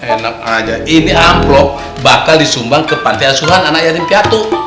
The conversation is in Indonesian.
enak aja ini amblok bakal disumbang ke pantai asuhan anak yatim piatu